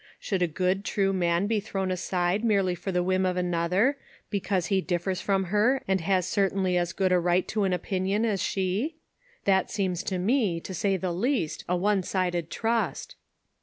Should a good, true man be thrown aside merely for the whim of another* because he differs from her and has certainly as good a right to an opinion as she? That seems to me, to say the least, a one sided trust."